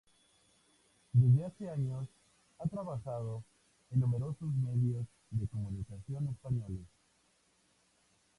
Desde hace años ha trabajado en numerosos medios de comunicación españoles.